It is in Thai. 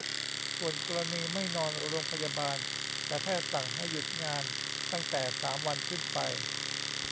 ส่วนกรณีไม่นอนโรงพยาบาล แต่แพทย์สั่งให้หยุดงานตั้งแต่ สาม วันขึ้นไป